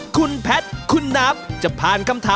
คุณแพทย์คุณนัท